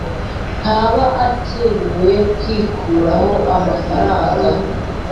ntaba acyemerewe kwikuraho amafaranga